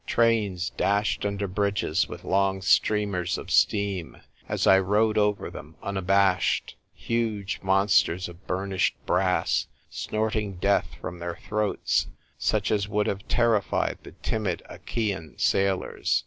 Trains dashed under bridges with long streamers of steam, as I rode over them unabashed — huge mon sters of burnished brass, snorting death from their throats, such as would have terrified the timid Achaean sailors.